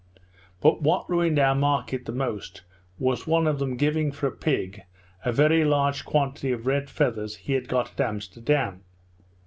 But what ruined our market the most, was one of them giving for a pig a very large quantity of red feathers he had got at Amsterdam.